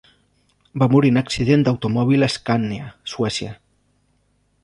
Va morir en accident d'automòbil a Escània, Suècia.